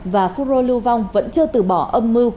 và phun rô lưu vong vẫn chưa từ bỏ âm mưu